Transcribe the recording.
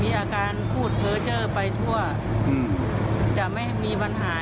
มีอาการพูดเธอเจอไปทั่วอืมจะไม่มีปัญหา